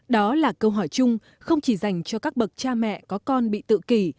đó là câu hỏi chung không chỉ dành cho các bậc cha mẹ có con bị tự kỷ